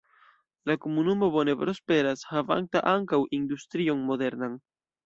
La komunumo bone prosperas havanta ankaŭ industrion modernan.